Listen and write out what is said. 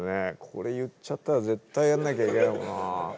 これ言っちゃったら絶対やんなきゃいけないもんな。